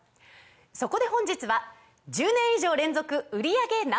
そこで本日は１０年以上連続売り上げＮｏ．１